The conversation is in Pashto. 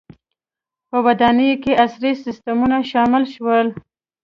• په ودانیو کې عصري سیستمونه شامل شول.